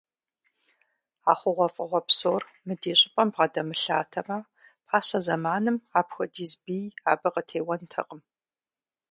А хъугъуэфӏыгъуэ псор мы ди щӏыпӏэм бгъэдэмылъатэмэ, пасэ зэманым апхуэдиз бий абы къытеуэнтэкъым.